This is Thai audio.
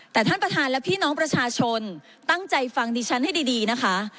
แต่ท่านประธานและพี่น้องประชาชนตั้งใจฟังดิฉันให้ดีนะคะ